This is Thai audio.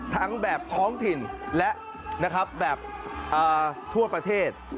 ทั้งแบบท้องถิ่นและนะครับแบบทั่วประเทศ